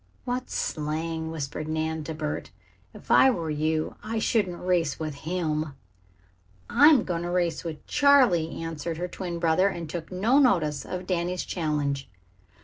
"What slang!" whispered Nan, to Bert. "If I were you I shouldn't race with him." "I'm going to race with Charley," answered her twin brother, and took no notice of Danny's challenge.